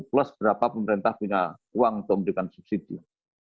plus berapa pemerintah punya uang untuk memberikan subsidi